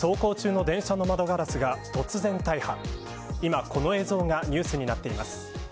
走行中の電車の窓ガラスが突然大破。